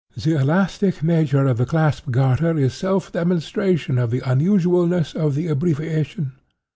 The elastic nature of the clasp garter is self demonstration of the unusualness of the abbreviation.